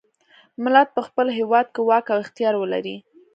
ملت په خپل هیواد کې واک او اختیار ولري.